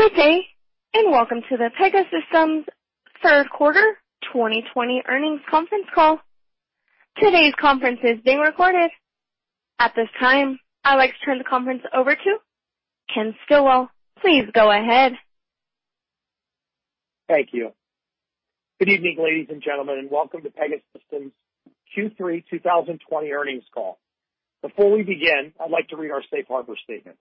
Good day, and welcome to the Pegasystems' Third Quarter 2020 Earnings Conference Call. Today's conference is being recorded. At this time, I would like to turn the conference over to Ken Stillwell. Please go ahead. Thank you. Good evening, ladies and gentlemen, and welcome to Pegasystems' Q3 2020 Earnings Call. Before we begin, I'd like to read our safe harbor statement.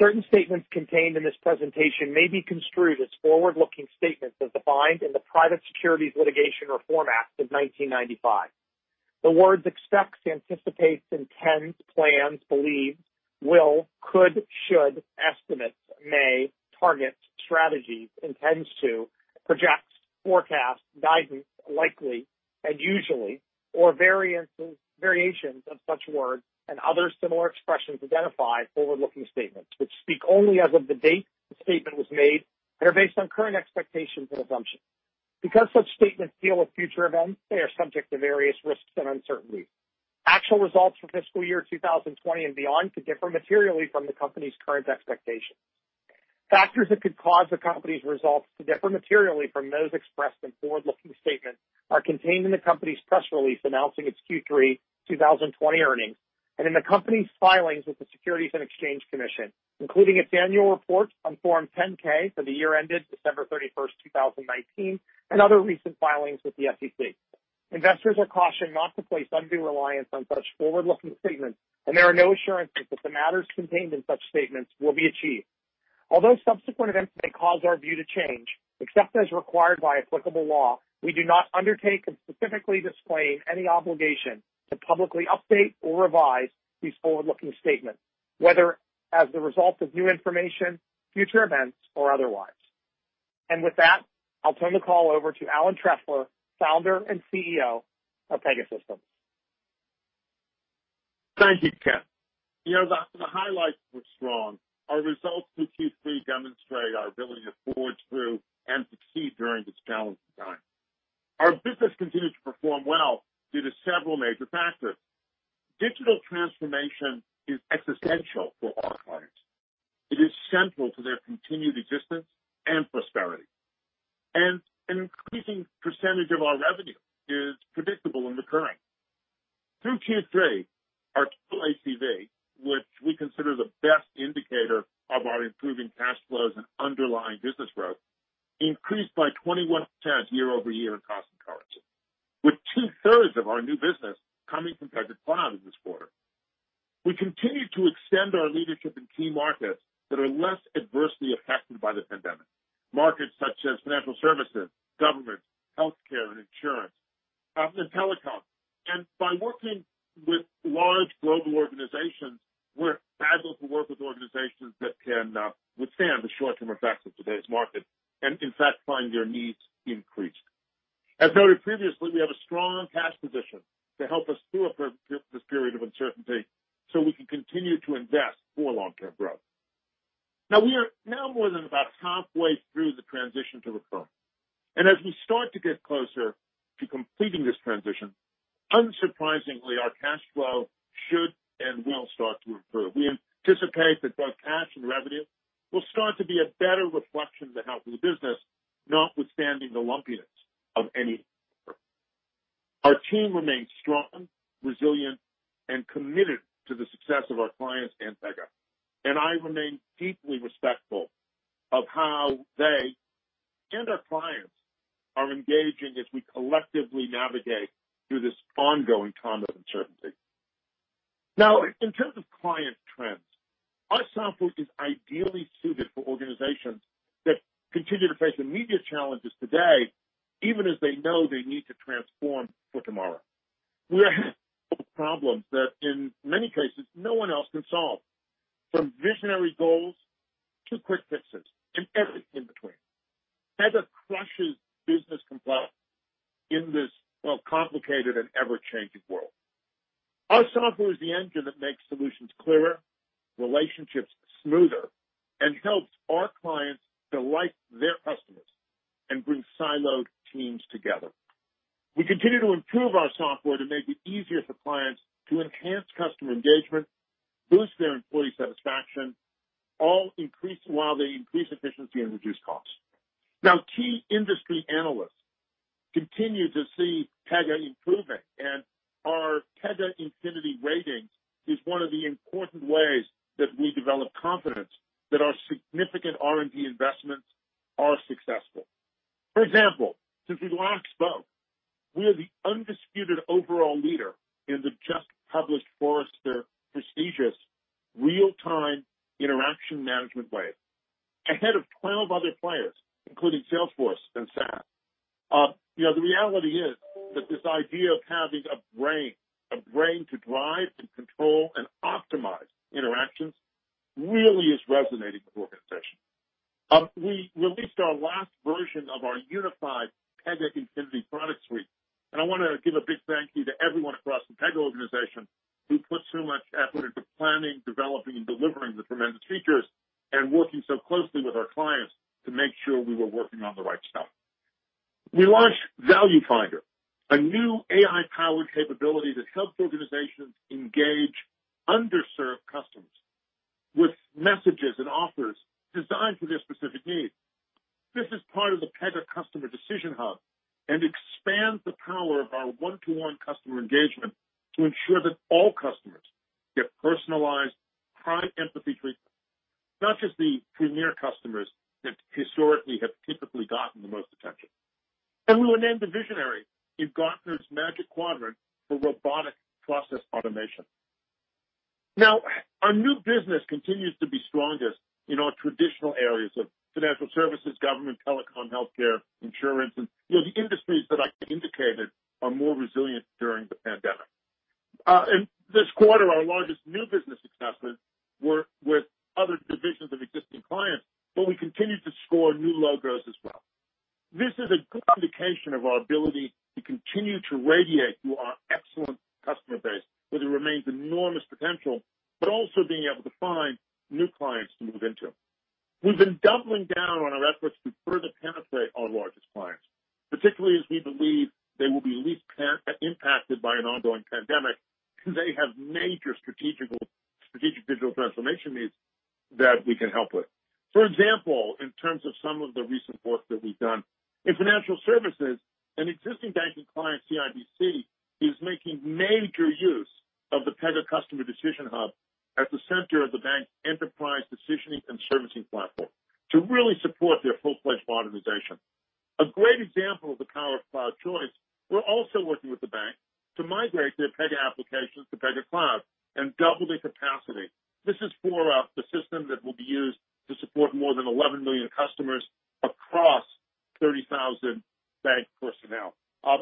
Certain statements contained in this presentation may be construed as forward-looking statements as defined in the Private Securities Litigation Reform Act of 1995. The words expects, anticipates, intends, plans, believes, will, could, should, estimates, may, targets, strategies, intends to, projects, forecasts, guidance, likely, and usually, or variations of such words and other similar expressions identify forward-looking statements, which speak only as of the date the statement was made, and are based on current expectations and assumptions. Because such statements deal with future events, they are subject to various risks and uncertainties. Actual results for fiscal year 2020 and beyond could differ materially from the company's current expectations. Factors that could cause the company's results to differ materially from those expressed in forward-looking statements are contained in the company's press release announcing its Q3 2020 earnings, and in the company's filings with the Securities and Exchange Commission, including its annual report on Form 10-K for the year ended December 31st, 2019, and other recent filings with the SEC. Investors are cautioned not to place undue reliance on such forward-looking statements, and there are no assurances that the matters contained in such statements will be achieved. Although subsequent events may cause our view to change, except as required by applicable law, we do not undertake and specifically disclaim any obligation to publicly update or revise these forward-looking statements, whether as a result of new information, future events, or otherwise. With that, I'll turn the call over to Alan Trefler, Founder and CEO of Pegasystems. Thank you, Ken. The highlights were strong. Our results for Q3 demonstrate our ability to forge through and succeed during this challenging time. Our business continued to perform well due to several major factors. Digital transformation is existential for our clients. It is central to their continued existence and prosperity. An increasing percentage of our revenue is predictable and recurring. Through Q3, our total ACV, which we consider the best indicator of our improving cash flows and underlying business growth, increased by 21% year-over-year in constant currency, with two-thirds of our new business coming from Pega Cloud this quarter. We continue to extend our leadership in key markets that are less adversely affected by the pandemic. Markets such as financial services, government, healthcare and insurance, and telecom. By working with large global organizations, we're able to work with organizations that can withstand the short-term effects of today's market, and in fact, find their needs increased. As noted previously, we have a strong cash position to help us through this period of uncertainty so we can continue to invest for long-term growth. Now, we are no more than about halfway through the transition to the cloud. As we start to get closer to completing this transition, unsurprisingly, our cash flow should and will start to improve. We anticipate that both cash and revenue will start to be a better reflection of the health of the business, notwithstanding the lumpiness of any quarter. Our team remains strong, resilient, and committed to the success of our clients and Pega. I remain deeply respectful of how they and our clients are engaging as we collectively navigate through this ongoing time of uncertainty. In terms of client trends, our software is ideally suited for organizations that continue to face immediate challenges today, even as they know they need to transform for tomorrow. We are here to solve problems that in many cases, no one else can solve, from visionary goals to quick fixes and everything in between. Pega crushes business complexity in this well-complicated and ever-changing world. Our software is the engine that makes solutions clearer, relationships smoother, and helps our clients delight their customers and bring siloed teams together. We continue to improve our software to make it easier for clients to enhance customer engagement, boost their employee satisfaction, all while they increase efficiency and reduce costs. Key industry analysts continue to see Pega improving, and our Pega Infinity ratings is one of the important ways that we develop confidence that our significant R&D investments are successful. For example, since we last spoke, we are the undisputed overall leader in the just published Forrester prestigious Real-Time Interaction Management Wave, ahead of 12 other players, including Salesforce and SAP. The reality is that this idea of having a brain to drive, to control, and optimize interactions really is resonating with organizations. We released our last version of our are more resilient during the pandemic. In this quarter, our largest new business successes were with other divisions of existing clients, but we continued to score new logos as well. This is a good indication of our ability to continue to radiate through our excellent customer base, where there remains enormous potential, but also being able to find new clients to move into. We've been doubling down on our efforts to further penetrate our largest clients, particularly as we believe they will be least impacted by an ongoing pandemic, and they have major strategic digital transformation needs that we can help with. For example, in terms of some of the recent work that we've done. In financial services, an existing banking client, CIBC, is making major use of the Pega Customer Decision Hub as the center of the bank's enterprise decisioning and servicing platform to really support their full-fledged modernization. A great example of the power of cloud choice, we're also working with the bank to migrate their Pega applications to Pega Cloud and double their capacity. This is for the system that will be used to support more than 11 million customers across 30,000 bank personnel.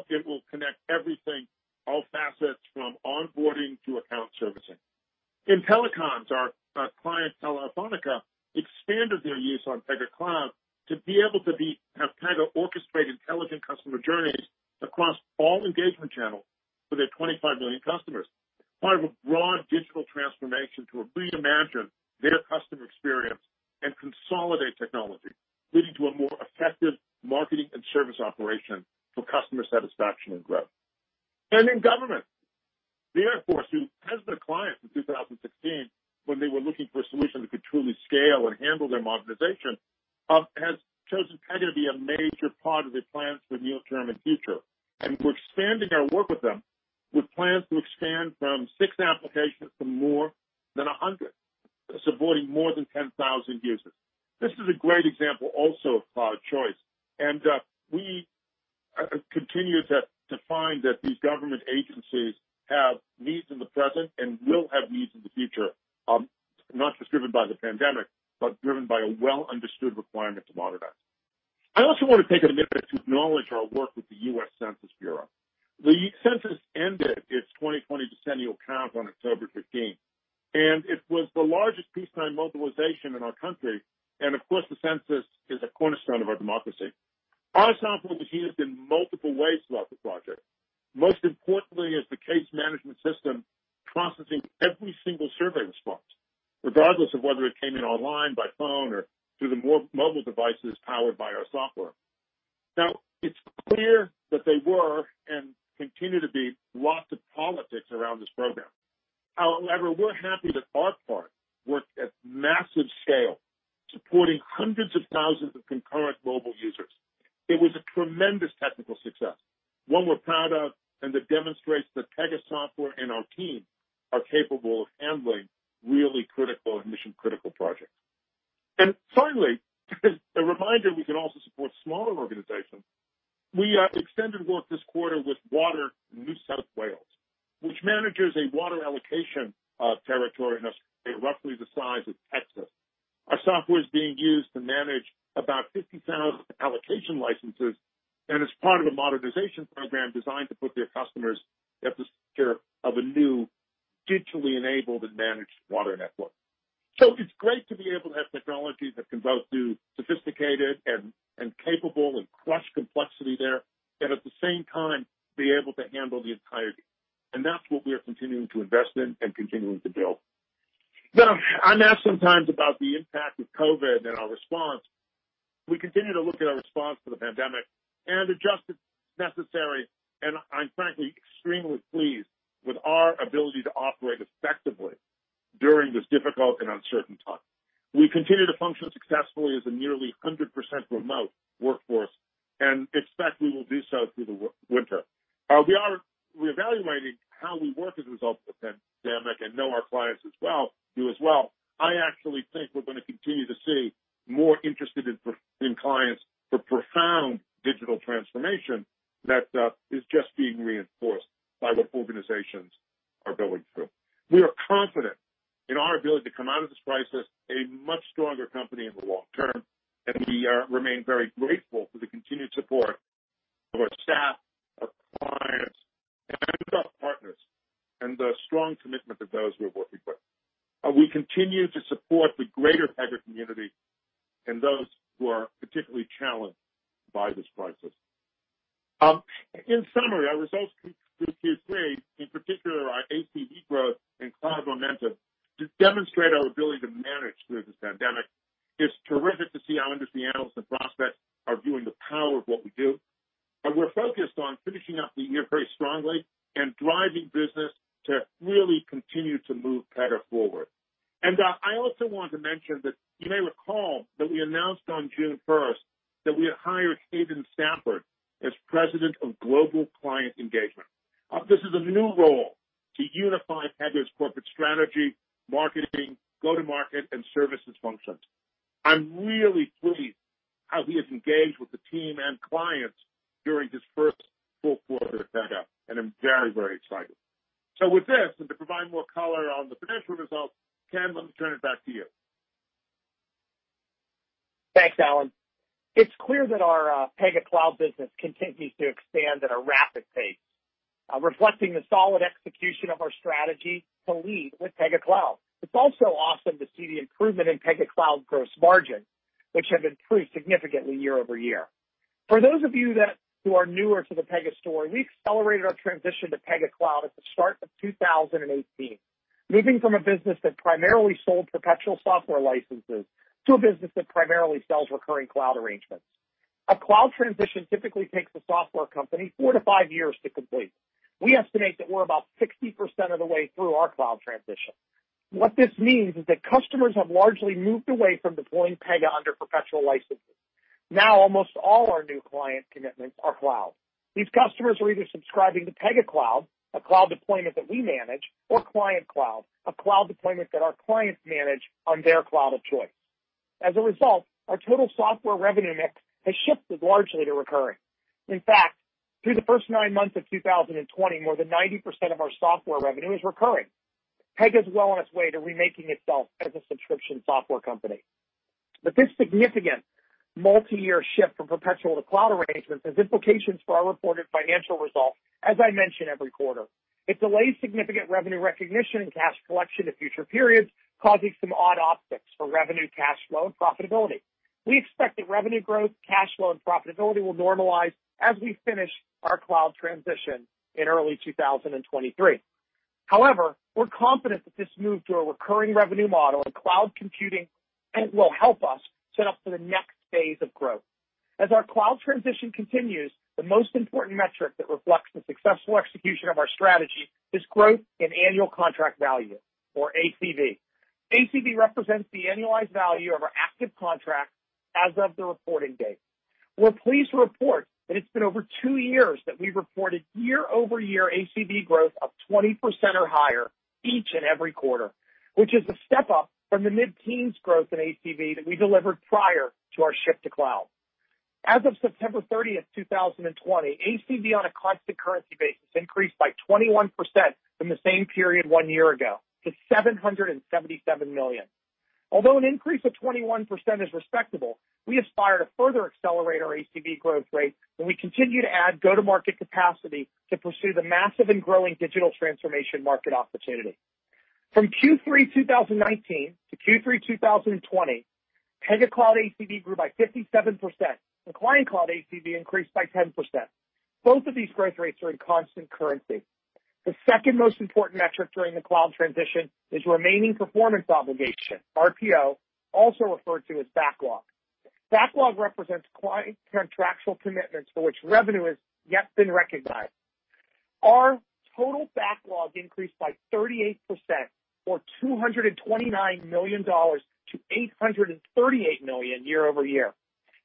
It will connect everything, all facets from onboarding to account servicing. In telecoms, our client, Telefónica, expanded their use on Pega Cloud to be able to have Pega orchestrate intelligent customer journeys across all engagement channels for their 25 million customers, part of a broad digital transformation to reimagine their customer experience and consolidate technology, leading to a more effective marketing and service operation for customer satisfaction and growth. In government, the Air Force, who has been a client since 2016 when they were looking for a solution that could truly scale and handle their modernization, has chosen Pega to be a major part of their plans for the near-term and future. We're expanding our work with them, with plans to expand from six applications to more than 100, supporting more than 10,000 users. This is a great example also of cloud choice, and we continue to find that these government agencies have needs in the present and will have needs in the future, not just driven by the pandemic, but driven by a well-understood requirement to modernize. I also want to take a minute to acknowledge our work with the U.S. Census Bureau. The Census ended its 2020 decennial count on October 15, and it was the largest peacetime mobilization in our country, and of course, the Census is a cornerstone of our democracy. Our software was used in multiple ways throughout the project, most importantly as the case management system, processing every single survey response, regardless of whether it came in online, by phone, or through the mobile devices powered by our software. Now, it's clear that there were and continue to be lots of politics around this program. We're happy that our part worked at massive scale, supporting hundreds of thousands of concurrent mobile users. It was a tremendous technical success, one we're proud of, and that demonstrates that Pega software and our team are capable of handling really critical and mission-critical projects. Finally, as a reminder, we can also support smaller organizations. We extended work this quarter with WaterNSW, which manages a water allocation territory in Australia roughly the size of Texas. Our software is being used to manage about 50,000 allocation licenses, and is part of a modernization program designed to put their customers at the center of a new digitally enabled and managed water network. It's great to be able to have technology that can both do sophisticated and capable and crush complexity there, and at the same time, be able to handle the entirety. That's what we are continuing to invest in and continuing to build. Now, I'm asked sometimes about the impact of COVID and our response. We continue to look at our response to the pandemic and adjust as necessary, and I'm frankly extremely pleased with our ability to operate effectively during this difficult and uncertain time. We continue to function successfully as a nearly 100% remote workforce, and expect we will do so through the winter. We are reevaluating how we work as a result of the pandemic, and know our clients do as well. I actually think we're going to continue to see more interest in clients for profound digital transformation that is just being reinforced by what organizations are going through. We are confident in our ability to come out of this crisis a much stronger company in the long term. We remain very grateful for the continued support of our staff, our clients, and our partners, and the strong commitment of those we are working with. We continue to support the greater Pega community and those who are particularly challenged by this crisis. In summary, our results through Q3, in particular our ACV growth and cloud momentum, just demonstrate our ability to manage through this pandemic. It's terrific to see how industry analysts and prospects are viewing the power of what we do. We're focused on finishing up the year very strongly and driving business to really continue to move Pega forward. I also want to mention that you may recall that we announced on June 1st that we had hired Hayden Stafford as President of Global Client Engagement. This is a new role to unify Pega's corporate strategy, marketing, go-to-market, and services functions. I'm really pleased how he has engaged with the team and clients during his first full quarter at Pega, and I'm very excited. With this, and to provide more color on the financial results, Ken, let me turn it back to you. Thanks, Alan. It's clear that our Pega Cloud business continues to expand at a rapid pace, reflecting the solid execution of our strategy to lead with Pega Cloud. It's also awesome to see the improvement in Pega Cloud gross margin, which have improved significantly year-over-year. For those of you who are newer to the Pega story, we accelerated our transition to Pega Cloud at the start of 2018, moving from a business that primarily sold perpetual software licenses to a business that primarily sells recurring cloud arrangements. A cloud transition typically takes a software company four to five years to complete. We estimate that we're about 60% of the way through our cloud transition. What this means is that customers have largely moved away from deploying Pega under perpetual licenses. Almost all our new client commitments are cloud. These customers are either subscribing to Pega Cloud, a cloud deployment that we manage, or Client-Managed Cloud, a cloud deployment that our clients manage on their cloud of choice. As a result, our total software revenue mix has shifted largely to recurring. In fact, through the first nine months of 2020, more than 90% of our software revenue is recurring. Pega is well on its way to remaking itself as a subscription software company. This significant multi-year shift from perpetual to cloud arrangements has implications for our reported financial results, as I mention every quarter. It delays significant revenue recognition and cash collection to future periods, causing some odd optics for revenue, cash flow, and profitability. We expect that revenue growth, cash flow, and profitability will normalize as we finish our cloud transition in early 2023. However, we're confident that this move to a recurring revenue model in cloud computing will help us set up for the next phase of growth. As our cloud transition continues, the most important metric that reflects the successful execution of our strategy is growth in annual contract value or ACV. ACV represents the annualized value of our active contracts as of the reporting date. We're pleased to report that it's been over two years that we've reported year-over-year ACV growth of 20% or higher each and every quarter, which is a step up from the mid-teens growth in ACV that we delivered prior to our shift to cloud. As of September 30th, 2020, ACV on a constant currency basis increased by 21% from the same period one year ago to $777 million. Although an increase of 21% is respectable, we aspire to further accelerate our ACV growth rate when we continue to add go-to-market capacity to pursue the massive and growing digital transformation market opportunity. From Q3 2019 to Q3 2020, Pega Cloud ACV grew by 57%, and Client-Managed Cloud ACV increased by 10%. Both of these growth rates are in constant currency. The second most important metric during the cloud transition is remaining performance obligation, RPO, also referred to as backlog. Backlog represents client contractual commitments for which revenue has yet been recognized. Our total backlog increased by 38%, or $229 million to $838 million year-over-year.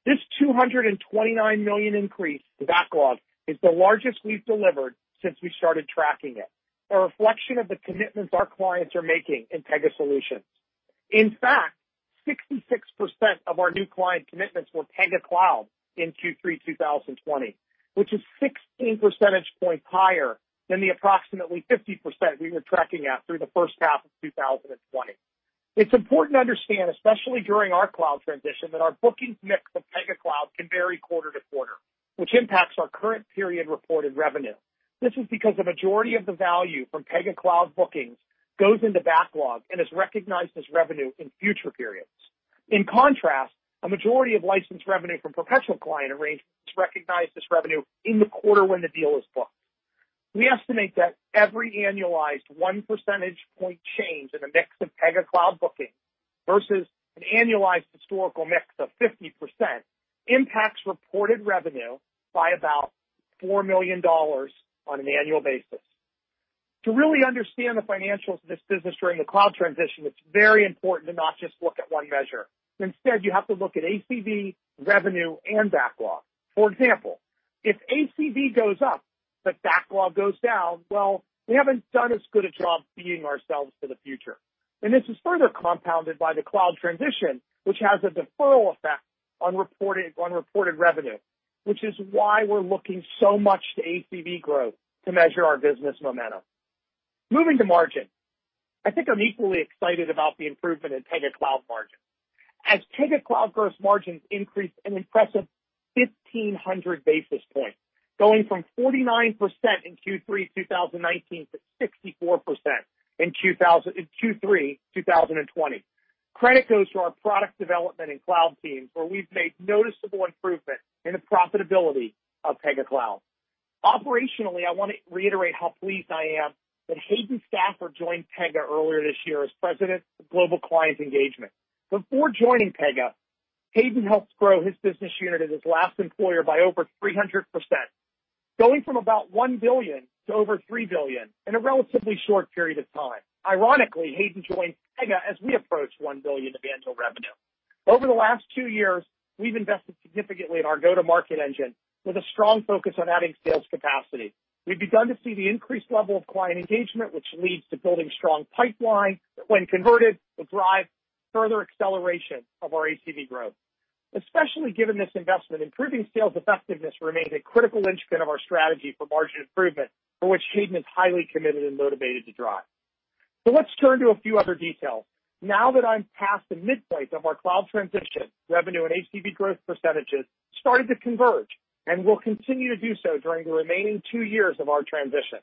This $229 million increase to backlog is the largest we've delivered since we started tracking it, a reflection of the commitments our clients are making in Pega solutions. In fact, 66% of our new client commitments were Pega Cloud in Q3 2020, which is 16 percentage points higher than the approximately 50% we were tracking at through the first half of 2020. It's important to understand, especially during our cloud transition, that our bookings mix of Pega Cloud can vary quarter to quarter, which impacts our current period reported revenue. This is because the majority of the value from Pega Cloud bookings goes into backlog and is recognized as revenue in future periods. In contrast, a majority of licensed revenue from perpetual client arrangements recognize this revenue in the quarter when the deal is booked. We estimate that every annualized one percentage point change in the mix of Pega Cloud bookings versus an annualized historical mix of 50% impacts reported revenue by about $4 million on an annual basis. To really understand the financials of this business during the cloud transition, it's very important to not just look at one measure. Instead, you have to look at ACV, revenue, and backlog. For example, if ACV goes up but backlog goes down, well, we haven't done as good a job feeding ourselves for the future. This is further compounded by the cloud transition, which has a deferral effect on reported revenue, which is why we're looking so much to ACV growth to measure our business momentum. Moving to margin. I think I'm equally excited about the improvement in Pega Cloud margin. As Pega Cloud gross margins increased an impressive 1,500 basis points, going from 49% in Q3 2019 to 64% in Q3 2020. Credit goes to our product development and cloud teams, where we've made noticeable improvements in the profitability of Pega Cloud. Operationally, I want to reiterate how pleased I am that Hayden Stafford joined Pega earlier this year as President of Global Client Engagement. Before joining Pega, Hayden helped grow his business unit at his last employer by over 300%, going from about $1 billion to over $3 billion in a relatively short period of time. Ironically, Hayden joined Pega as we approached $1 billion of annual revenue. Over the last two years, we've invested significantly in our go-to-market engine with a strong focus on adding sales capacity. We've begun to see the increased level of client engagement, which leads to building strong pipeline, that when converted, will drive further acceleration of our ACV growth. Especially given this investment, improving sales effectiveness remains a critical instrument of our strategy for margin improvement, for which Hayden is highly committed and motivated to drive. Let's turn to a few other details. Now that I'm past the midpoint of our cloud transition, revenue and ACV growth percentages started to converge and will continue to do so during the remaining two years of our transition.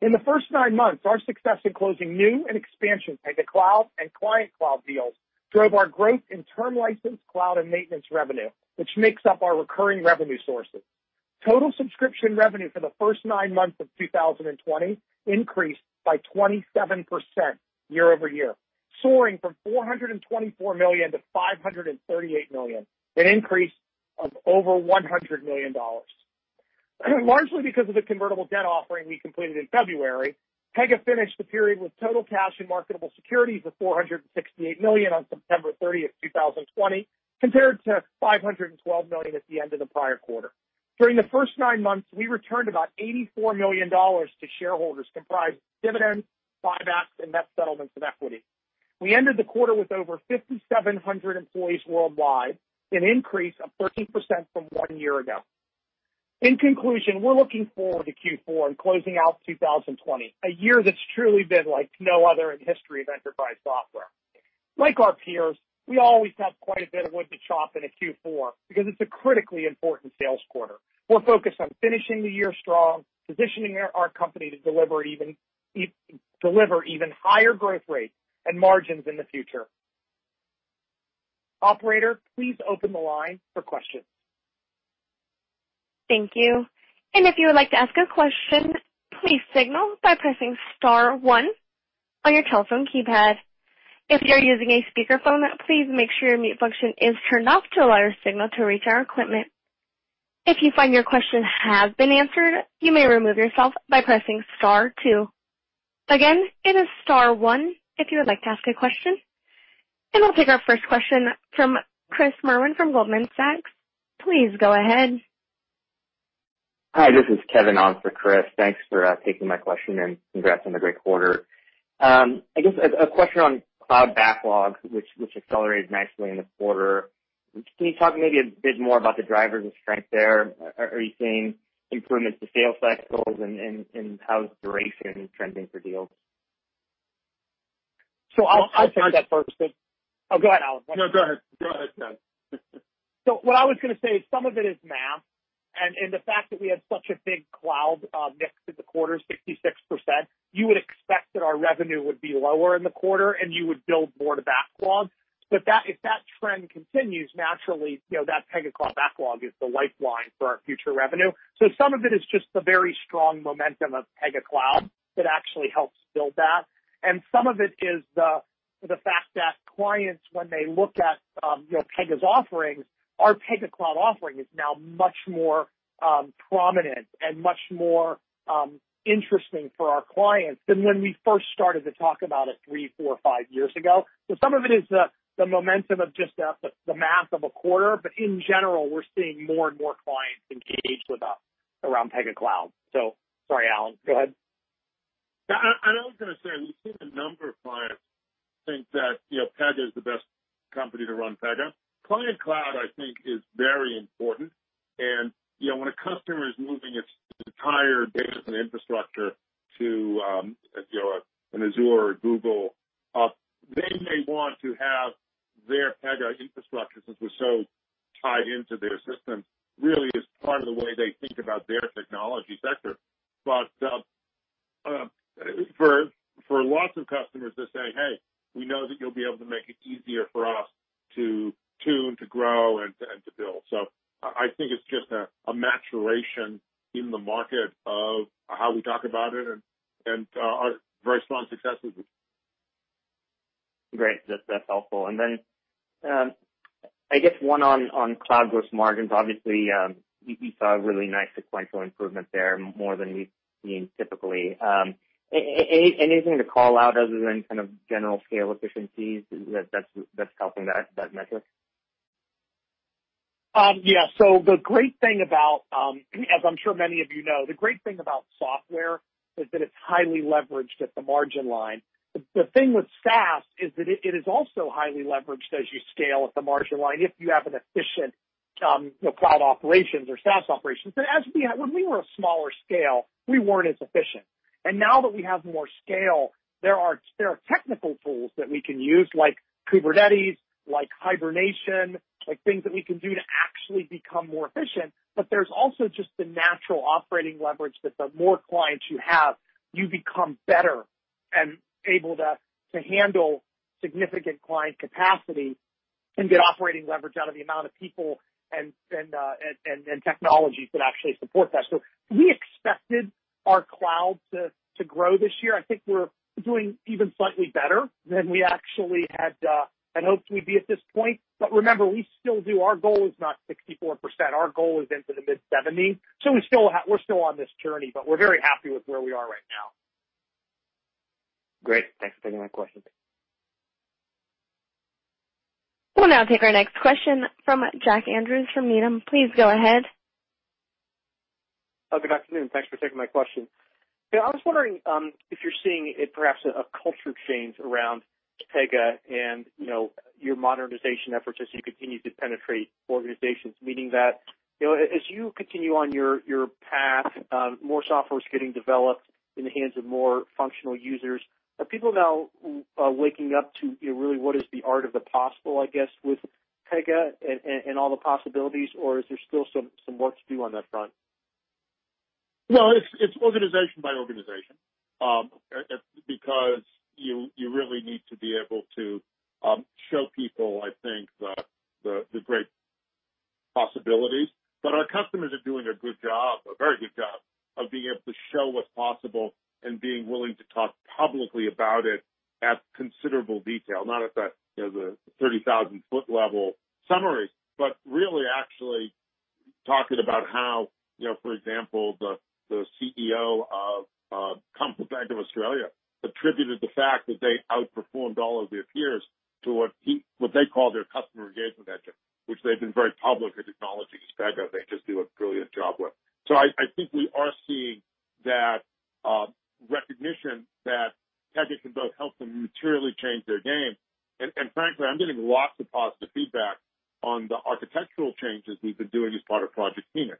In the first nine months, our success in closing new and expansion Pega Cloud and Client-Managed Cloud deals drove our growth in term license, cloud, and maintenance revenue, which makes up our recurring revenue sources. Total subscription revenue for the first nine months of 2020 increased by 27% year-over-year, soaring from $424 million-$538 million, an increase of over $100 million. Largely because of the convertible debt offering we completed in February, Pega finished the period with total cash and marketable securities of $468 million on September 30th, 2020, compared to $512 million at the end of the prior quarter. During the first nine months, we returned about $84 million to shareholders comprised of dividends, buybacks, and net settlements of equity. We ended the quarter with over 5,700 employees worldwide, an increase of 13% from one year ago. In conclusion, we're looking forward to Q4 and closing out 2020, a year that's truly been like no other in the history of enterprise software. Like our peers, we always have quite a bit of wood to chop in a Q4 because it's a critically important sales quarter. We're focused on finishing the year strong, positioning our company to deliver even higher growth rates and margins in the future. Operator, please open the line for questions. Thank you. I'll take our first question from Chris Merwin from Goldman Sachs. Please go ahead. Hi, this is Kevin on for Chris. Thanks for taking my question, and congrats on the great quarter. I guess a question on cloud backlog, which accelerated nicely in the quarter. Can you talk maybe a bit more about the drivers of strength there? Are you seeing improvements to sales cycles, and how's duration trending for deals? I'll take that first. Oh, go ahead, Alan. No, go ahead. Go ahead, Ken. What I was going to say is some of it is math and the fact that we had such a big cloud mix in the quarter, 66%. You would expect that our revenue would be lower in the quarter, and you would build more to backlog. If that trend continues, naturally, that Pega Cloud backlog is the lifeline for our future revenue. Some of it is just the very strong momentum of Pega Cloud that actually helps build that. Some of it is the fact that clients, when they look at Pega's offerings, our Pega Cloud offering is now much more prominent and much more interesting for our clients than when we first started to talk about it three, four, five years ago. Some of it is the momentum of just the math of a quarter. In general, we're seeing more and more clients engage with us around Pega Cloud. Sorry, Alan, go ahead. I was going to say, we've seen a number of clients think that Pega is the best company to run Pega. Client-Managed Cloud, I think, is very important. When a customer is moving its entire data center infrastructure to an Azure or Google, they may want to have their Pega infrastructure, since we're so tied into their system, really is part of the way they think about their technology sector. For lots of customers, they're saying, "Hey, we know that you'll be able to make it easier for us to tune, to grow, and to build." I think it's just a maturation in the market of how we talk about it and our very strong successes with it. Great. That's helpful. I guess one on cloud gross margins. Obviously, we saw a really nice sequential improvement there, more than we've seen typically. Anything to call out other than kind of general scale efficiencies that's helping that metric? The great thing about, as I'm sure many of you know, the great thing about software is that it's highly leveraged at the margin line. The thing with SaaS is that it is also highly leveraged as you scale at the margin line if you have an efficient cloud operations or SaaS operations. When we were a smaller scale, we weren't as efficient. Now that we have more scale, there are technical tools that we can use, like Kubernetes, like hibernation, like things that we can do to actually become more efficient. There's also just the natural operating leverage that the more clients you have, you become better and able to handle significant client capacity and get operating leverage out of the amount of people and technologies that actually support that. We expected our cloud to grow this year. I think we're doing even slightly better than we actually had hoped we'd be at this point. Remember, we still do. Our goal is not 64%. Our goal is into the mid-70s. We're still on this journey, but we're very happy with where we are right now. Great. Thanks for taking my question. We'll now take our next question from Jack Andrews from Needham. Please go ahead. Good afternoon. Thanks for taking my question. I was wondering if you're seeing perhaps a culture change around Pega and your modernization efforts as you continue to penetrate organizations, meaning that, as you continue on your path, more software is getting developed in the hands of more functional users. Are people now waking up to really what is the art of the possible, I guess, with Pega and all the possibilities, or is there still some work to do on that front? No, it's organization by organization. You really need to be able to show people, I think, the great possibilities. Our customers are doing a good job, a very good job, of being able to show what's possible and being willing to talk publicly about it at considerable detail, not at the 30,000-foot level summary. Really actually talking about how, for example, the CEO of Commonwealth Bank of Australia attributed the fact that they outperformed all of their peers to what they call their customer engagement engine, which they've been very public in acknowledging Pega. They just do a brilliant job with. I think we are seeing that recognition that Pega can both help them materially change their game, and frankly, I'm getting lots of positive feedback on the architectural changes we've been doing as part of Project Phoenix,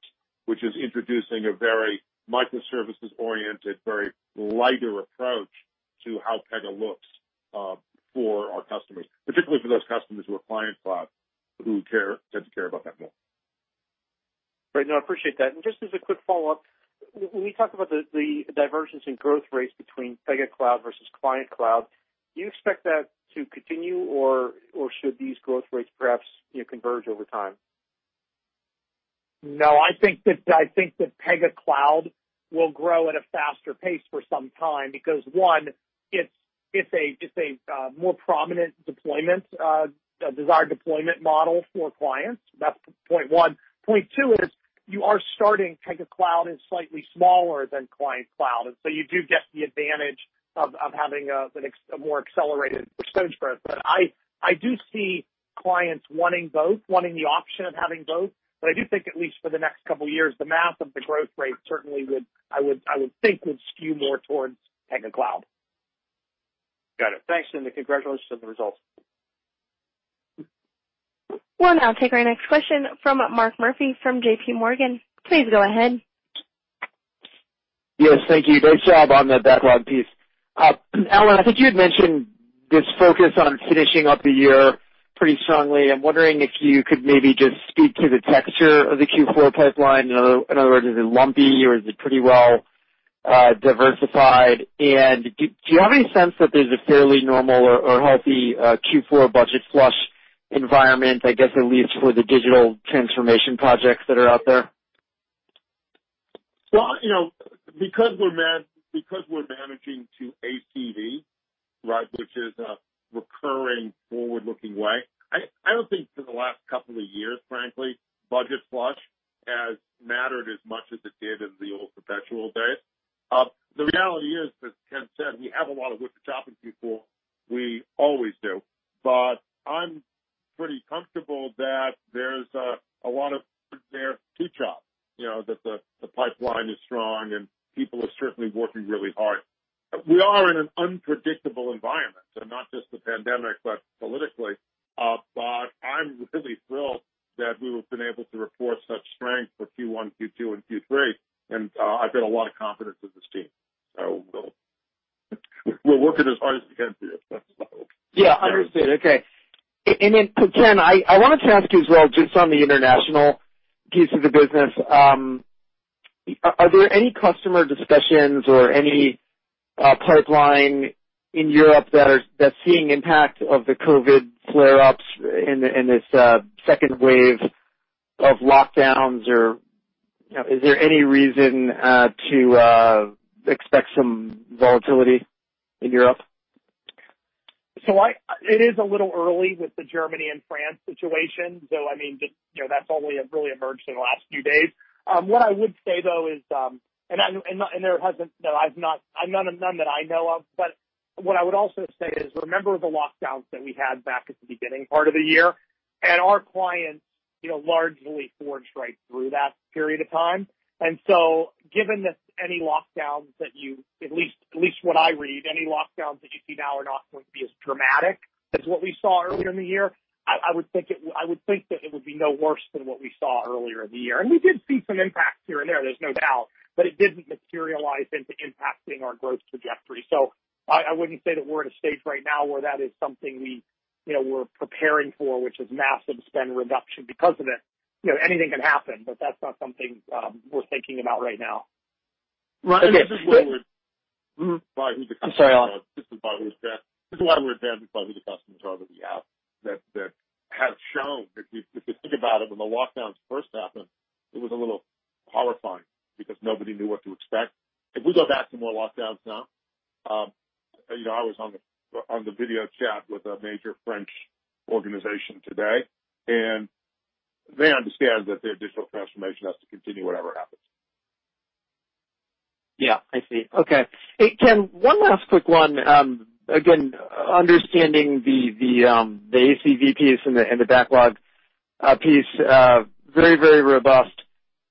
which is introducing a very microservices-oriented, very lighter approach to how Pega looks for our customers, particularly for those customers who are Client-Managed Cloud, who tend to care about that more. Great. No, I appreciate that. Just as a quick follow-up, when we talk about the divergence in growth rates between Pega Cloud versus Client-Managed Cloud, do you expect that to continue, or should these growth rates perhaps converge over time? I think that Pega Cloud will grow at a faster pace for some time because, one, it's a more prominent deployment, a desired deployment model for clients. That's point 1. Point 2 is you are starting Pega Cloud is slightly smaller than Client-Managed Cloud, you do get the advantage of having a more accelerated growth. I do see clients wanting both, wanting the option of having both. I do think at least for the next couple of years, the math of the growth rate certainly would, I would think, would skew more towards Pega Cloud. Got it. Thanks, and congratulations on the results. We'll now take our next question from Mark Murphy from JPMorgan. Please go ahead. Yes, thank you. Great job on that backlog piece. Alan, I think you had mentioned this focus on finishing up the year pretty strongly. I'm wondering if you could maybe just speak to the texture of the Q4 pipeline. In other words, is it lumpy, or is it pretty well diversified? Do you have any sense that there's a fairly normal or healthy Q4 budget flush environment, I guess, at least for the digital transformation projects that are out there? Well, because we're managing to ACV, which is a recurring forward-looking way, I don't think for the last couple of years, frankly, budget flush has mattered as much as it did in the old perpetual days. The reality is that, Ken said, we have a lot of wood to chop in Q4. We always do. I'm pretty comfortable that there's a lot of wood there to chop. That the pipeline is strong, and people are certainly working really hard. We are in an unpredictable environment, not just the pandemic, but politically. I'm really thrilled that we have been able to report such strength for Q1, Q2, and Q3, and I've got a lot of confidence in this team. We'll work it as hard as we can through this next level. Yeah, understood. Okay. Ken, I wanted to ask you as well, just on the international piece of the business. Are there any customer discussions or any pipeline in Europe that's seeing impact of the COVID flare-ups in this second wave of lockdowns, or is there any reason to expect some volatility in Europe? It is a little early with the Germany and France situation. I mean, that's only really emerged in the last few days. What I would say, though, is, and none that I know of, but what I would also say is, remember the lockdowns that we had back at the beginning part of the year, and our clients largely forged right through that period of time. Given that, at least what I read, any lockdowns that you see now are not going to be as dramatic as what we saw earlier in the year. I would think that it would be no worse than what we saw earlier in the year. We did see some impacts here and there's no doubt, but it didn't materialize into impacting our growth trajectory. I wouldn't say that we're in a stage right now where that is something we're preparing for, which is massive spend reduction because of it. Anything can happen, but that's not something we're thinking about right now. Right. I'm sorry, Alan. This is why we're there. This is why we're the customers all over the app that has shown, if you think about it, when the lockdowns first happened, it was a little horrifying because nobody knew what to expect. If we go back to more lockdowns now, I was on the video chat with a major French organization today, and they understand that their digital transformation has to continue whatever happens. Yeah, I see. Okay. Hey, Ken, one last quick one. Again, understanding the ACV piece and the backlog piece, very, very robust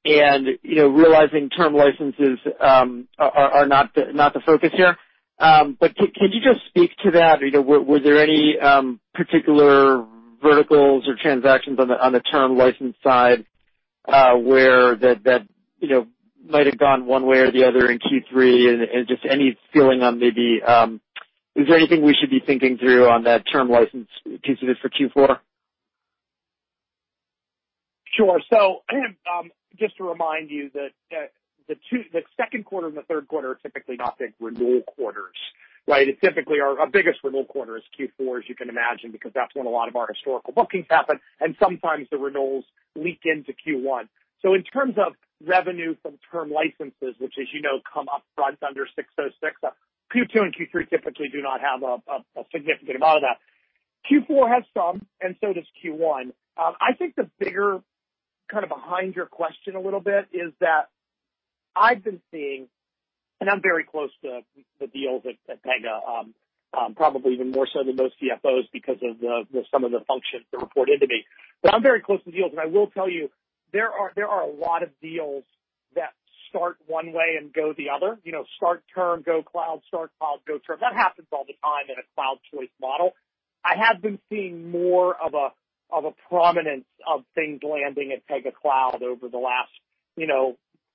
and realizing term licenses are not the focus here. But can you just speak to that? Were there any particular verticals or transactions on the term license side where that might have gone one way or the other in Q3, and just any feeling on maybe, is there anything we should be thinking through on that term license pieces for Q4? Sure. Just to remind you that the second quarter and the third quarter are typically not big renewal quarters, right? Typically, our biggest renewal quarter is Q4, as you can imagine, because that's when a lot of our historical bookings happen, and sometimes the renewals leak into Q1. In terms of revenue from term licenses, which, as you know, come upfront under 606, Q2 and Q3 typically do not have a significant amount of that. Q4 has some, and so does Q1. I think the bigger kind of behind your question a little bit is that I've been seeing, and I'm very close to the deals at Pega, probably even more so than most CFOs because of some of the functions that report into me. I'm very close to deals, and I will tell you there are a lot of deals that start one way and go the other. Start term, go cloud. Start cloud, go term. That happens all the time in a cloud choice model. I have been seeing more of a prominence of things landing at Pega Cloud over the last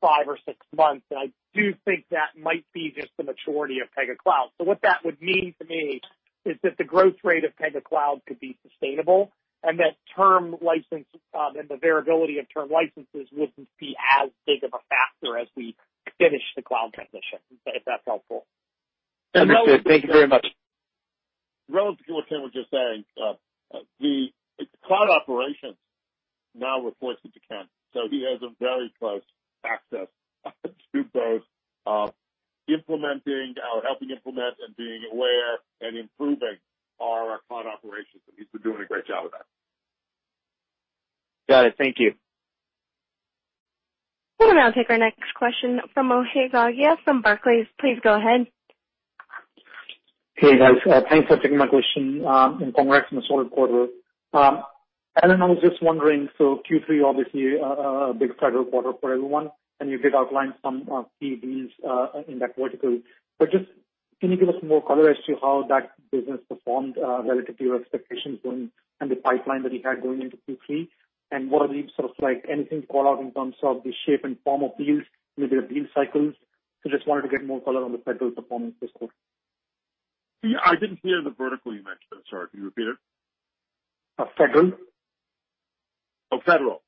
five or six months, and I do think that might be just the maturity of Pega Cloud. What that would mean to me is that the growth rate of Pega Cloud could be sustainable and that term license and the variability of term licenses wouldn't be as big of a factor as we finish the cloud transition, if that's helpful. Understood. Thank you very much. Relative to what Ken was just saying, the cloud operations now reports into Ken. He has a very close access to both implementing or helping implement and being aware and improving our cloud operations. He's been doing a great job with that. Got it. Thank you. I'll take our next question from Mohit Agarwal from Barclays. Please go ahead. Hey, guys. Thanks for taking my question, and congrats on a solid quarter. Alan, I was just wondering, Q3, obviously, a big federal quarter for everyone, and you did outline some key wins in that vertical. Just can you give us more color as to how that business performed relative to your expectations and the pipeline that you had going into Q3? What are the sort of like anything call out in terms of the shape and form of deals, maybe the deal cycles? Just wanted to get more color on the federal performance this quarter. I didn't hear the vertical you mentioned. Sorry, can you repeat it? Federal. Look, federal,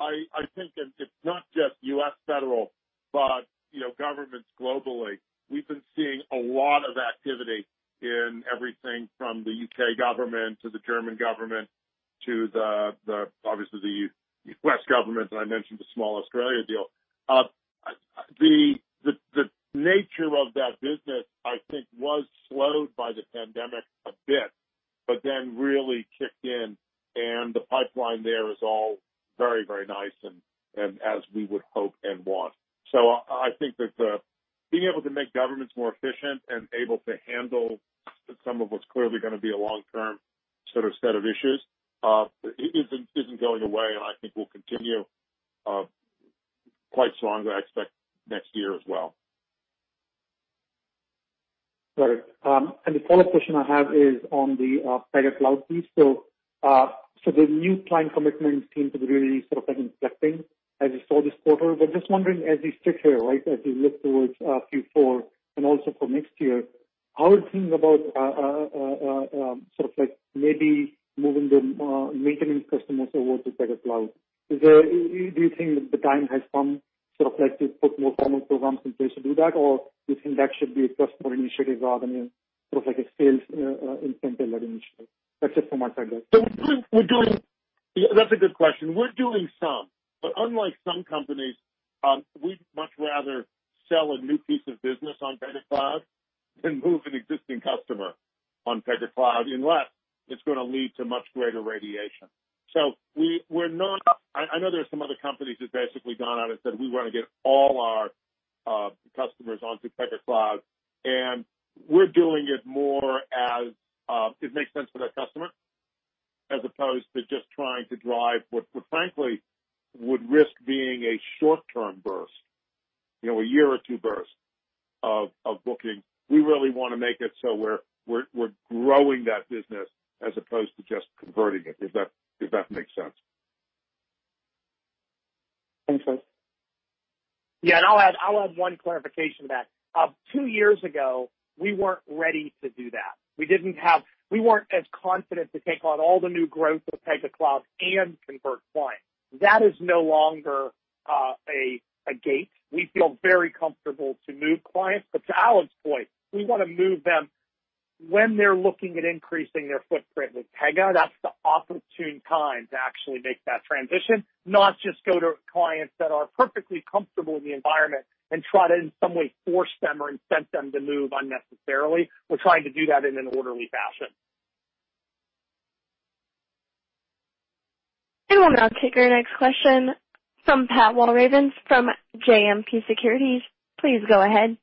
I think, and it's not just U.S. federal, but governments globally. We've been seeing a lot of activity in everything from the U.K. government to the German government to obviously the U.S. government, and I mentioned the small Australia deal. The nature of that business, I think, was slowed by the pandemic a bit but then really kicked in, and the pipeline there is all very, very nice and as we would hope and want. I think that being able to make governments more efficient and able to handle some of what's clearly going to be a long-term sort of set of issues isn't going away, and I think will continue quite strongly, I expect, next year as well. Got it. The follow-up question I have is on the Pega Cloud piece. The new client commitments seem to be really sort of like inflecting as we saw this quarter. Just wondering, as we sit here, right, as we look towards Q4 and also for next year, how are you thinking about sort of like maybe moving the maintenance customers over to Pega Cloud? Do you think that the time has come sort of like to put more formal programs in place to do that, or do you think that should be a customer initiative rather than sort of like a sales incentive-led initiative? That's it from my side. That's a good question. We're doing some. Unlike some companies, we'd much rather sell a new piece of business on Pega Cloud than move an existing customer on Pega Cloud unless it's going to lead to much greater radiation. I know there are some other companies who've basically gone out and said, "We want to get all our customers onto Pega Cloud." We're doing it more as it makes sense for that customer, as opposed to just trying to drive what frankly would risk being a short-term burst, a year or two burst of booking. We really want to make it so we're growing that business as opposed to just converting it, if that makes sense. Thanks, Alan. I'll add one clarification to that. Two years ago, we weren't ready to do that. We weren't as confident to take on all the new growth of Pega Cloud and convert clients. That is no longer a gate. We feel very comfortable to move clients. To Alan's point, we want to move them when they're looking at increasing their footprint with Pega. That's the opportune time to actually make that transition, not just go to clients that are perfectly comfortable in the environment and try to, in some way, force them or incent them to move unnecessarily. We're trying to do that in an orderly fashion. We will now take our next question from Pat Walravens from JMP Securities. Please go ahead.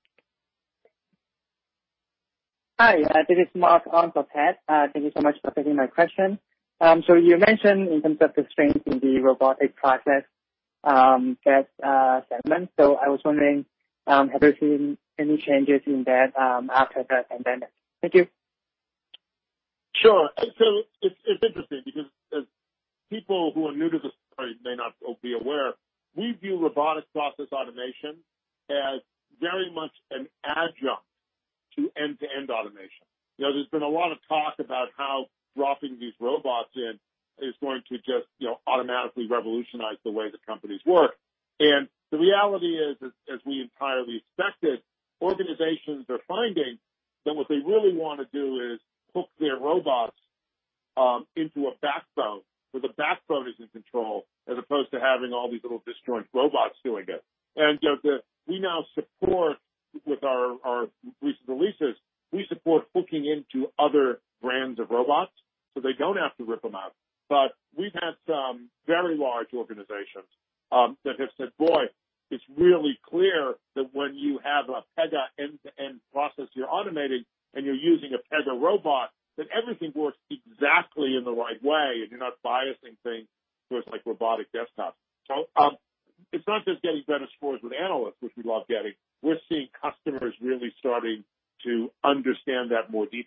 Hi, this is Mark on for Pat. Thank you so much for taking my question. You mentioned in terms of the strength in the robotic process segment. I was wondering, have you seen any changes in that after the pandemic? Thank you. Sure. It's interesting because people who are new to the story may not be aware. We view Robotic Process Automation as very much an adjunct to end-to-end automation. There's been a lot of talk about how dropping these robots in is going to just automatically revolutionize the way the companies work. The reality is, as we entirely expected, organizations are finding that what they really want to do is hook their robots into a backbone where the backbone is in control, as opposed to having all these little disjoint robots doing it. We now support, with our recent releases, we support hooking into other brands of robots so they don't have to rip them out. We've had some very large organizations that have said, "Boy, it's really clear that when you have a Pega end-to-end process you're automating and you're using a Pega robot, that everything works exactly in the right way and you're not biasing things towards robotic desktop." It's not just getting better scores with analysts, which we love getting. We're seeing customers really starting to understand that more deeply.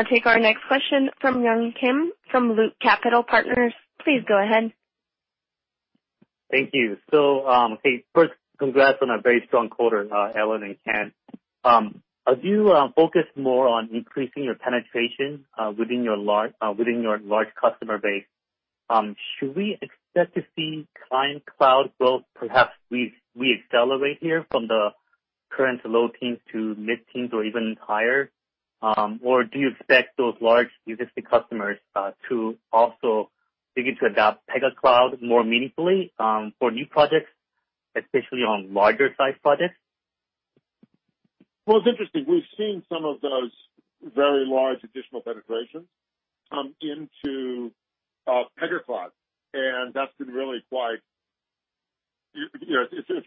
That drives not just our Robotic Process Automation part of our business, which is doing nicely, but it also drives the entire Pega Infinity end-to-end story. Got it. Thank you so much. We'll now take our next question from Yun Kim from Loop Capital Markets. Please go ahead. Thank you. First congrats on a very strong quarter, Alan and Ken. As you focus more on increasing your penetration within your large customer base, should we expect to see client cloud growth perhaps re-accelerate here from the current low teens to mid-teens or even higher? Or do you expect those large existing customers to also begin to adopt Pega Cloud more meaningfully for new projects, especially on larger size projects? Well, it's interesting. We've seen some of those very large additional penetrations into Pega Cloud, and it's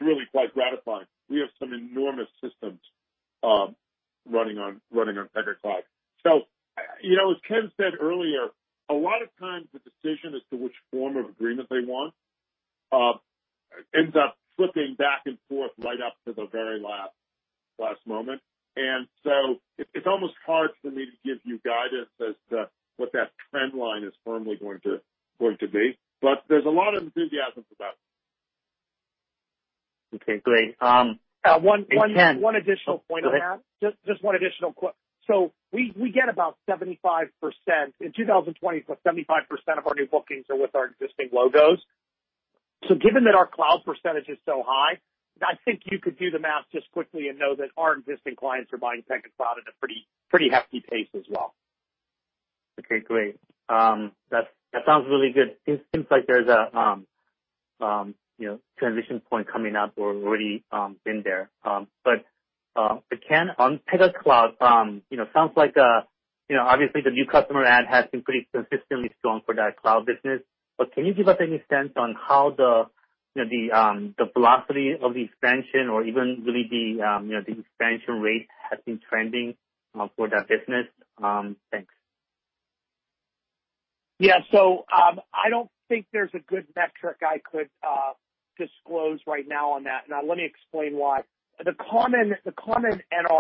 really quite gratifying. We have some enormous systems running on Pega Cloud. As Ken said earlier, a lot of times the decision as to which form of agreement they want ends up flipping back and forth right up to the very last moment. It's almost hard for me to give you guidance as to what that trend line is firmly going to be. There's a lot of enthusiasm for that. Okay, great. One additional point on that. Go ahead. Just one additional point. We get about 75% in 2020, so 75% of our new bookings are with our existing logos. Given that our cloud percentage is so high, I think you could do the math just quickly and know that our existing clients are buying Pega Cloud at a pretty hefty pace as well. Okay, great. That sounds really good. It seems like there's a transition point coming up, or already been there. Ken, on Pega Cloud, sounds like obviously the new customer add has been pretty consistently strong for that cloud business. Can you give us any sense on how the velocity of the expansion or even really the expansion rate has been trending for that business? Thanks. Yeah. I don't think there's a good metric I could disclose right now on that. Now let me explain why. The common NRR,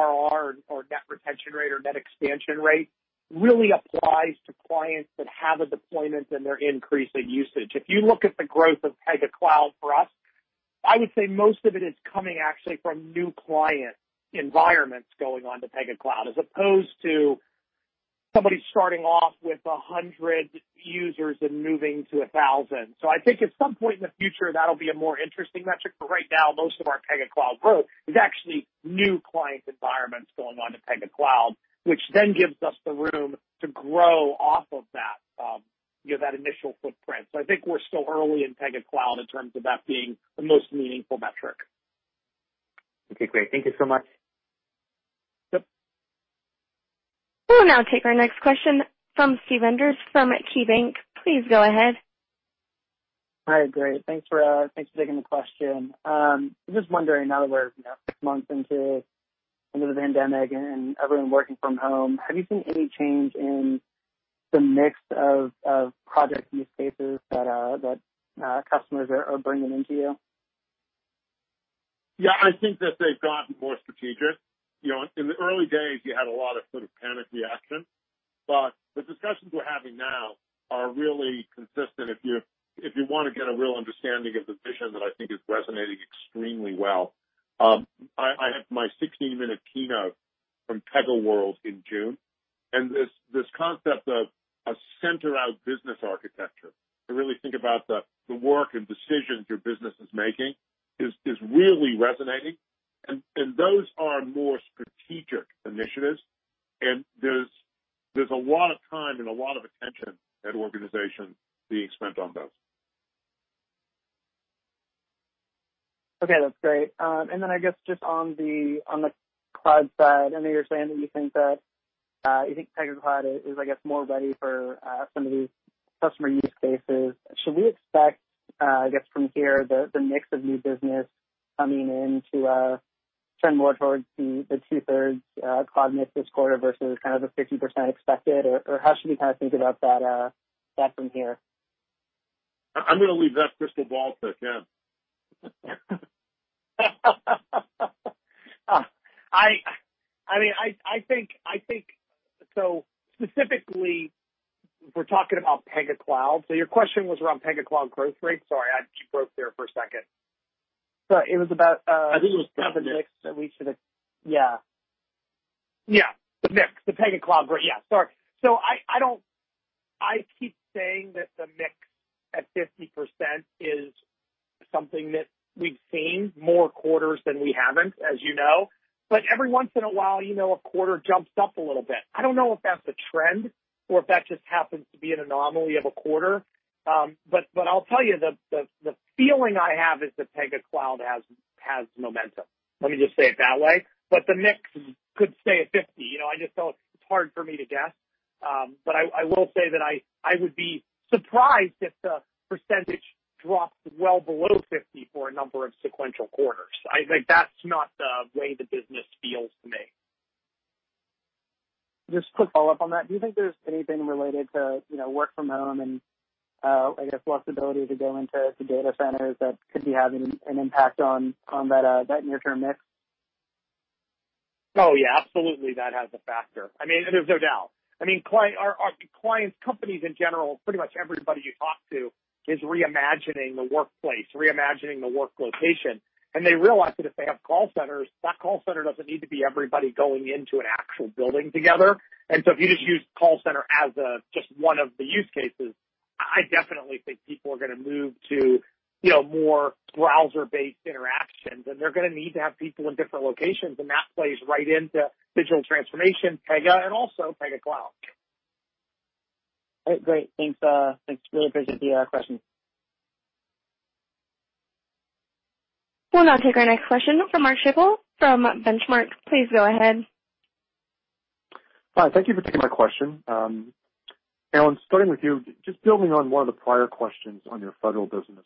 or net retention rate, or net expansion rate, really applies to clients that have a deployment and they're increasing usage. If you look at the growth of Pega Cloud for us, I would say most of it is coming actually from new client environments going onto Pega Cloud, as opposed to somebody starting off with 100 users and moving to 1,000. I think at some point in the future, that'll be a more interesting metric. Right now, most of our Pega Cloud growth is actually new client environments going on to Pega Cloud, which then gives us the room to grow off of that initial footprint. I think we're still early in Pega Cloud in terms of that being the most meaningful metric. Okay, great. Thank you so much. Yep. We'll now take our next question from Steve Enders from KeyBanc. Please go ahead. All right, great. Thanks for taking the question. I'm just wondering now that we're 6 months into the pandemic and everyone working from home, have you seen any change in the mix of project use cases that customers are bringing into you? Yeah, I think that they've gotten more strategic. In the early days, you had a lot of sort of panic reaction, but the discussions we're having now are really consistent if you want to get a real understanding of the vision that I think is resonating extremely well. I have my 16-minute keynote from PegaWorld in June, and this concept of a Center-out business architecture. To really think about the work and decisions your business is making is really resonating, and those are more strategic initiatives, and there's a lot of time and a lot of attention at organizations being spent on those. Okay, that's great. I guess just on the cloud side, I know you're saying that you think Pega Cloud is more ready for some of these customer use cases. Should we expect, I guess from here, the mix of new business coming in to trend more towards the two-thirds cloud mix this quarter versus kind of the 50% expected, or how should we think about that from here? I'm going to leave that crystal ball to Ken. Specifically, we're talking about Pega Cloud. Your question was around Pega Cloud growth rate? Sorry, you broke there for a second. So it was about the mix. The mix. The Pega Cloud rate. Sorry. I keep saying that the mix at 50% is something that we've seen more quarters than we haven't, as you know. Every once in a while, a quarter jumps up a little bit. I don't know if that's a trend or if that just happens to be an anomaly of a quarter. I'll tell you, the feeling I have is that Pega Cloud has momentum. Let me just say it that way. The mix could stay at 50. It's hard for me to guess. I will say that I would be surprised if the percentage drops well below 50 for a number of sequential quarters. Like that's not the way the business feels to me. Just quick follow-up on that. Do you think there's anything related to work from home and I guess less ability to go into the data centers that could be having an impact on that near-term mix? Oh, yeah. Absolutely, that has a factor. There's no doubt. Our clients' companies in general, pretty much everybody you talk to, is reimagining the workplace, reimagining the work location. They realize that if they have call centers, that call center doesn't need to be everybody going into an actual building together. If you just use call center as just one of the use cases, I definitely think people are going to move to more browser-based interactions, and they're going to need to have people in different locations, and that plays right into digital transformation, Pega, and also Pega Cloud. All right. Great. Thanks. It's really appreciated. Question. We'll now take our next question from Mark Schappel from Benchmark. Please go ahead. Hi. Thank you for taking my question. Alan, starting with you, just building on one of the prior questions on your federal business,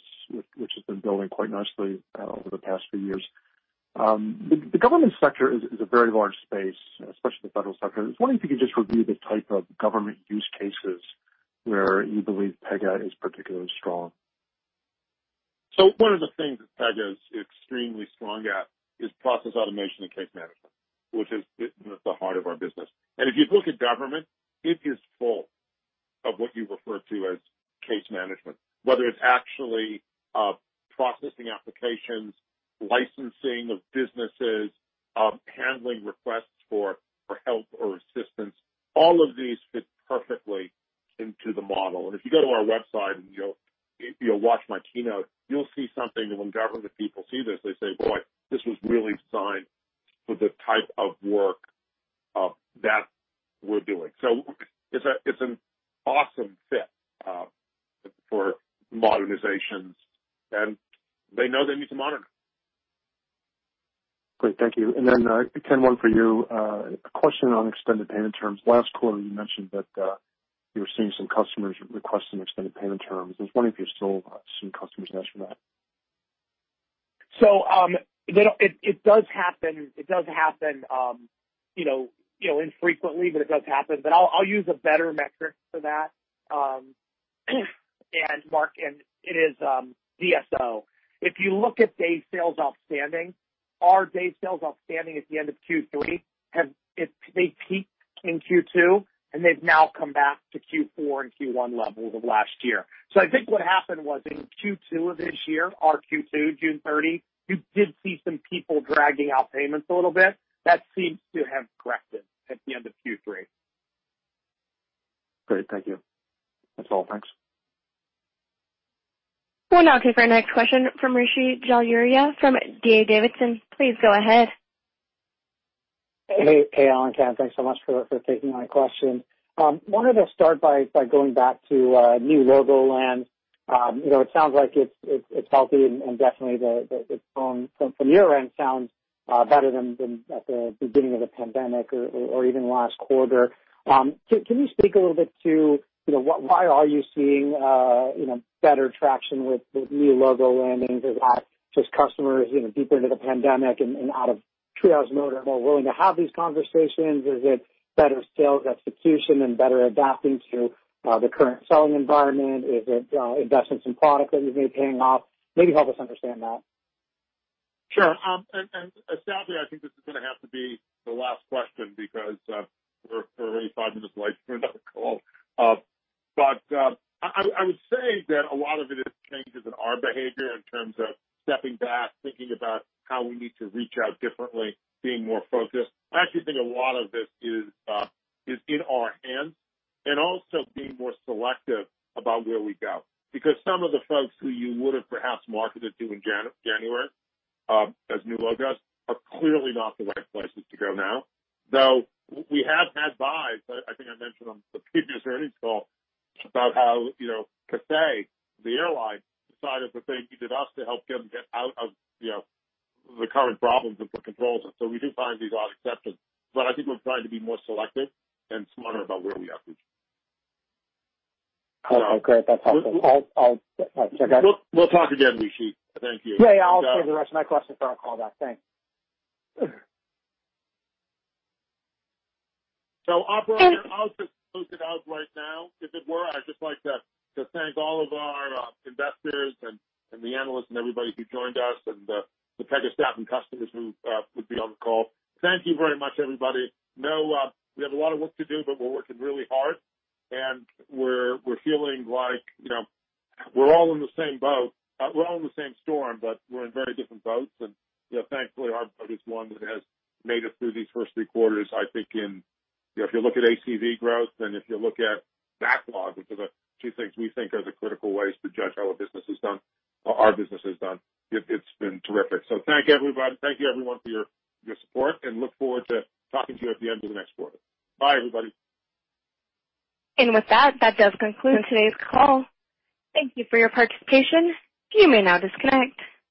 which has been building quite nicely over the past few years. The government sector is a very large space, especially the federal sector. I was wondering if you could just review the type of government use cases where you believe Pega is particularly strong. One of the things that Pega is extremely strong at is process automation and case management, which is at the heart of our business. If you look at government, it is full of what you refer to as case management. Whether it's actually processing applications, licensing of businesses, handling requests for help or assistance, all of these fit perfectly into the model. If you go to our website and you watch my keynote, you'll see something that when government people see this, they say, "Boy, this was really designed for the type of work that we're doing." It's an awesome fit for modernizations, and they know they need to modernize. Great. Thank you. Ken, one for you. A question on extended payment terms. Last quarter, you mentioned that you were seeing some customers request some extended payment terms. I was wondering if you still have some customers ask for that. It does happen. It does happen infrequently, but it does happen. I'll use a better metric for that. Mark, and it is DSO. If you look at days sales outstanding, our days sales outstanding at the end of Q3, they peaked in Q2, and they've now come back to Q4 and Q1 levels of last year. I think what happened was in Q2 of this year, our Q2, June 30, you did see some people dragging out payments a little bit. That seems to have corrected at the end of Q3. Great. Thank you. That's all. Thanks. We'll now take our next question from Rishi Jaluria from D.A. Davidson. Please go ahead. Hey, Alan, Ken, thanks so much for taking my question. I wanted to start by going back to new logo land. It sounds like it's healthy and definitely from your end sounds better than at the beginning of the pandemic or even last quarter. Can you speak a little bit to why are you seeing better traction with new logo landings? Is that just customers deeper into the pandemic and out of. Triage mode are more willing to have these conversations? Is it better sales execution and better adapting to the current selling environment? Is it investments in product that you've made paying off? Maybe help us understand that. Sure. Sadly, I think this is going to have to be the last question because we're already five minutes late for another call. I would say that a lot of it is changes in our behavior in terms of stepping back, thinking about how we need to reach out differently, being more focused. I actually think a lot of this is in our hands, and also being more selective